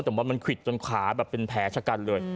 แต่ว่ามันควิดจนขาแบบเป็นแผลชะกันเลย